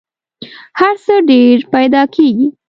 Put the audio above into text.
هر څه ډېر پیدا کېږي .